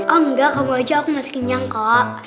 engga kamu aja aku masih kenyang kok